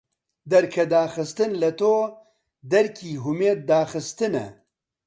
دەرکەداخستن لە تۆ دەرکی هومێد داخستنە